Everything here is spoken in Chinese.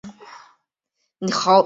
李梅树教授